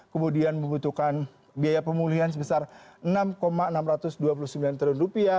kemudian membutuhkan biaya pemulihan sebesar rp enam enam ratus dua puluh sembilan triliun